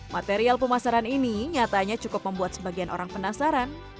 material pemasaran ini nyatanya cukup membuat sebagian orang penasaran